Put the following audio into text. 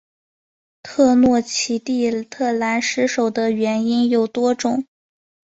特诺奇蒂特兰失守的原因有多种。